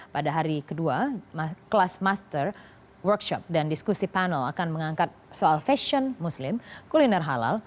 pada hari kedua kelas master workshop dan diskusi panel akan mengangkat soal fashion muslim kuliner halal